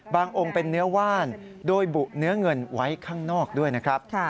องค์เป็นเนื้อว่านโดยบุเนื้อเงินไว้ข้างนอกด้วยนะครับ